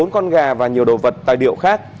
bốn con gà và nhiều đồ vật tài liệu khác